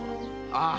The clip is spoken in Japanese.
ああ。